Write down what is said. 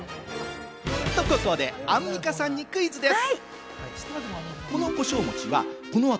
ここでアンミカさんにクイズです！